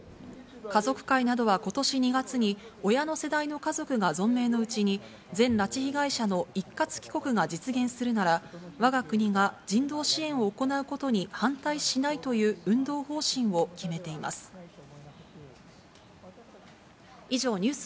家族会などはことし２月に、親の世代の家族が存命のうちに、全拉致被害者の一括帰国が実現するなら、わが国が人道支援を行うことに反対しないという運動方針を決めてハァ。